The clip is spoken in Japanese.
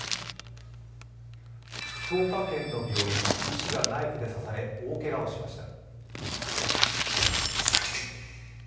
福岡県の病院医師がナイフで刺され大けがをしました。